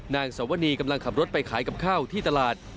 นางสวนีกำลังขับรถไปขายกับข้าวที่ตลาด